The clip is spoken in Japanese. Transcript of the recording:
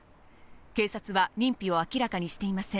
警察は認否を明らかにしていません。